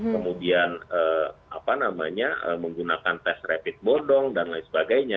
kemudian menggunakan tes rapid bodong dan lain sebagainya